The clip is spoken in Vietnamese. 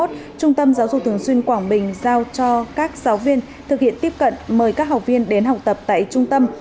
trung tâm giáo dục thường xuyên quảng bình giao cho các giáo viên thực hiện tiếp cận mời các học viên đến học tập tại trung tâm